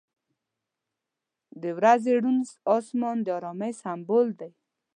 • د ورځې روڼ آسمان د آرامۍ سمبول دی.